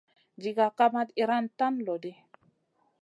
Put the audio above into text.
Diga kamat iyran tan loɗi.